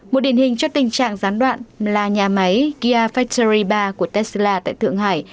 một điển hình cho tình trạng gián đoạn là nhà máy kia factory ba của tesla tại thượng hải